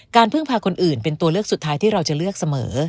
พึ่งพาคนอื่นเป็นตัวเลือกสุดท้ายที่เราจะเลือกเสมอ